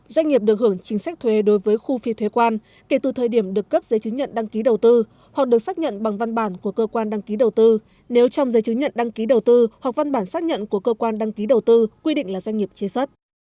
doanh nghiệp được hưởng chính sách thuế đối với khu phi thuế quan kể từ thời điểm được cấp giấy chứng nhận đăng ký đầu tư hoặc được xác nhận bằng văn bản của cơ quan đăng ký đầu tư nếu trong giấy chứng nhận đăng ký đầu tư hoặc văn bản xác nhận của cơ quan đăng ký đầu tư quy định là doanh nghiệp chế xuất